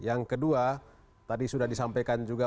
yang kedua tadi sudah disampaikan juga